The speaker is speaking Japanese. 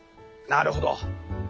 なるほど。